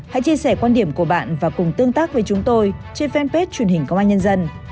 hãy chia sẻ quan điểm của bạn và cùng tương tác với chúng tôi trên fanpage truyền hình công an nhân dân